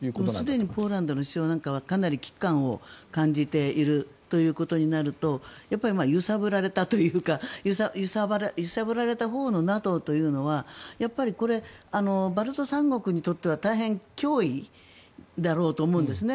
すでにポーランドの首相なんかはかなり危機感を感じているということになると揺さぶられたというか揺さぶられたほうのＮＡＴＯというのはやっぱりこれバルト三国にとっては大変脅威だろうと思うんですね。